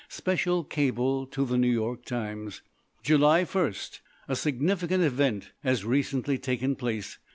Special Cable to The New York Times. July 1.—A significant event has recently taken place.